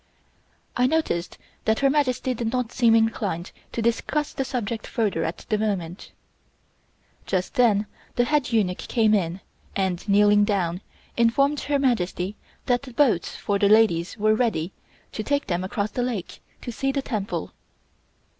I noticed that Her Majesty did not seem inclined to discuss the subject further at the moment. Just then the head eunuch came in and, kneeling down, informed Her Majesty that the boats for the ladies were ready to take them across the lake, to see the temple.